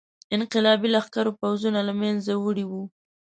انقلابي لښکرو پوځونه له منځه وړي وو.